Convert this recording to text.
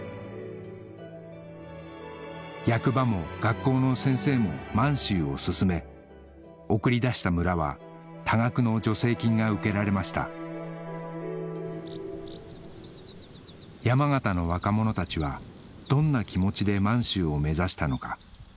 役場も学校の先生も満州を勧め送り出した村は多額の助成金が受けられました山形の若者たちはどんな気持ちで満州を目指したのか？